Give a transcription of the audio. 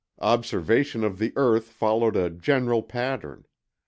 Observation of the earth followed a general pattern.